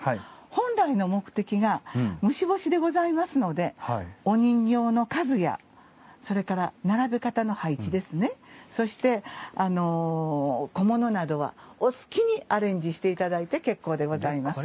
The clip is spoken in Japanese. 本来の目的が虫干しでございますのでお人形の数や、並ぶ方の配置そして、小物などはお好きにアレンジしていただいて結構でございます。